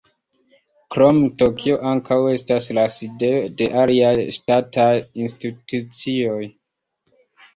Krome Tokio ankaŭ estas la sidejo de aliaj ŝtataj institucioj.